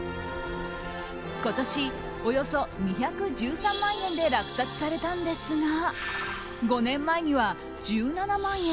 今年、およそ２１３万円で落札されたんですが５年前には１７万円。